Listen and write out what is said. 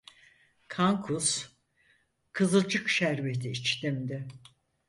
Kan kus, kızılcık şerbeti içtim de.